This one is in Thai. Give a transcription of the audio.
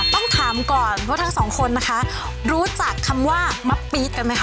ต้องถามก่อนเพราะทั้งสองคนนะคะรู้จักคำว่ามับปี๊ดมั้ยคะ